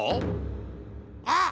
あっ！